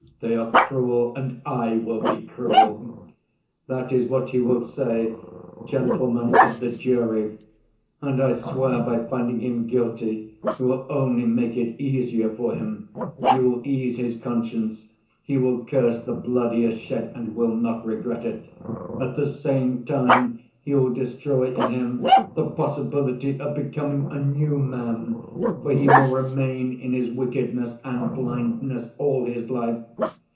They are cruel and I will be cruel.' That is what he will say, gentlemen of the jury. And I swear, by finding him guilty you will only make it easier for him: you will ease his conscience, he will curse the blood he has shed and will not regret it. At the same time you will destroy in him the possibility of becoming a new man, for he will remain in his wickedness and blindness all his life.